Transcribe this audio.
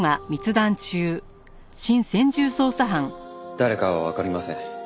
誰かはわかりません。